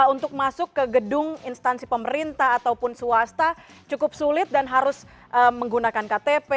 untuk masuk ke gedung instansi pemerintah ataupun swasta cukup sulit dan harus menggunakan ktp